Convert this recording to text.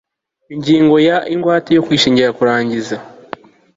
ingingo ya ingwate yo kwishingira kurangiza